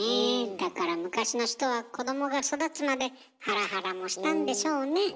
だから昔の人は子どもが育つまでハラハラもしたんでしょうね。